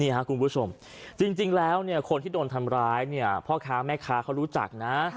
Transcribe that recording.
นี่คุณผู้ชมจริงแล้วคนที่โดนทำร้ายพ่อค้าแม่ค้าเขารู้จักนะ